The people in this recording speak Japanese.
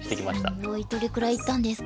すごい！どれぐらい行ったんですか？